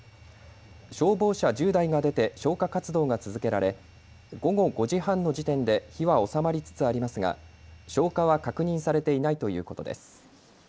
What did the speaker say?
消防車１０台が出て消火活動が続けられ午後５時半の時点で火は収まりつつありますが消火は確認されていないということです。